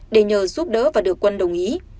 để nhờ giúp đỡ và được quân đồng ý